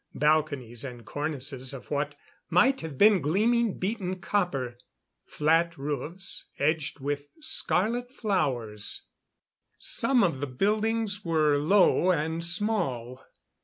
Balconies and cornices of what might have been gleaming, beaten copper. Flat roofs, edged with scarlet flowers. Some of the buildings were low and small.